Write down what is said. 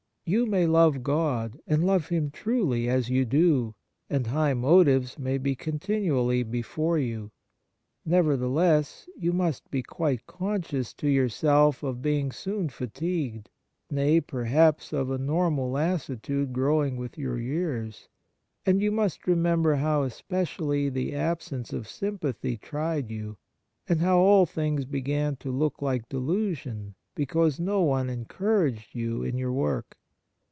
You may love God, and love Him truly, as you do, and high motives may be 32 Kindness continually before you. Nevertheless, you must be quite conscious to yourself of being soon fatigued— nay, perhaps of a normal lassitude growing with your years ; and you must remember how especially the absence of sympathy tried you, and how all things began to look like delusion because no one encouraged you in your work.